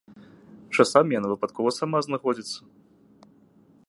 Часамі яна выпадкова сама знаходзіцца.